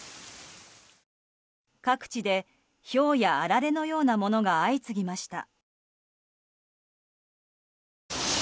各地で、ひょうやあられのようなものが相次ぎました。